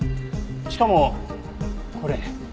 しかもこれ。